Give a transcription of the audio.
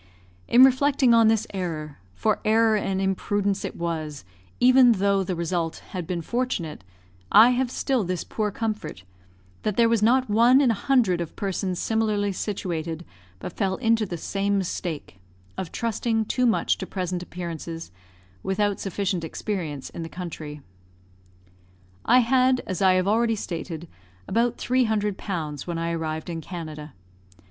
In reflecting on this error for error and imprudence it was, even though the result had been fortunate I have still this poor comfort, that there was not one in a hundred of persons similarly situated but fell into the same mistake, of trusting too much to present appearances, without sufficient experience in the country. I had, as I have already stated, about 300 pounds when I arrived in Canada.